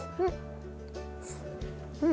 うん！